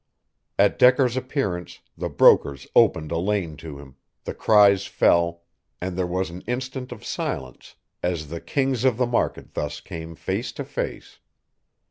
At Decker's appearance the brokers opened a lane to him, the cries fell, and there was an instant of silence, as the kings of the market thus came face to face.